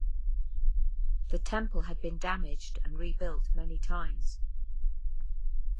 The temple had been damaged and rebuilt many times.